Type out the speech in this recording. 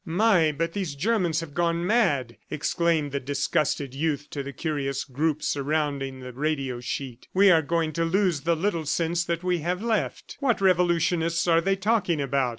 "My, but these Germans have gone mad!" exclaimed the disgusted youth to the curious group surrounding the radio sheet. "We are going to lose the little sense that we have left! ... What revolutionists are they talking about?